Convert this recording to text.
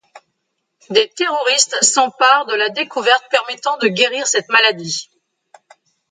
Des terroristes s'emparent de la découverte permettant de guérir cette maladie.